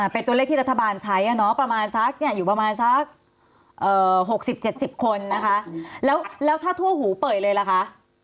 เป็นตัวเลขที่รัฐบาลใช้ประมาณสักอยู่ประมาณสัก๖๐๗๐คนนะคะแล้วถ้าทั่วหูเป่ยเลยล่ะคะ